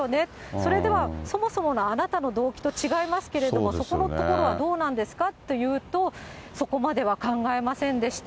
それでは、そもそものあなたの動機と違いますけれども、そこのところはどうなんですかと言うと、そこまでは考えませんでした、